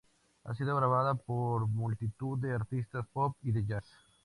Ha sido grabada por multitud de artistas pop y de jazz.